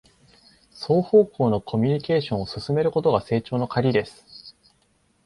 双方向のコミュニケーションを進めることが成長のカギです